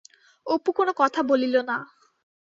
অপু কোনো কথা বলিল না।